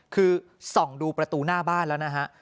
คือส่องดูประตูหน้าบ้านแล้วนะฮะ